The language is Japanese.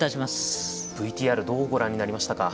ＶＴＲどうご覧になりましたか？